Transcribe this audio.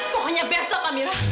pokoknya besok amira